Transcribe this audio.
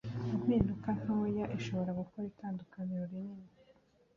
impinduka ntoya irashobora gukora itandukaniro rinini